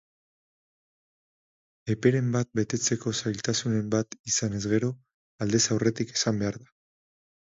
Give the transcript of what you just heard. Eperen bat betetzeko zailtasunen bat izanez gero, aldez aurretik esan behar da.